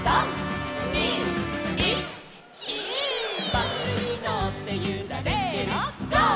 「バスにのってゆられてるゴー！